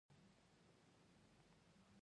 تالابونه د افغان تاریخ په کتابونو کې ذکر شوي دي.